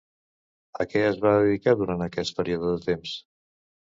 A què es va dedicar durant aquest període de temps?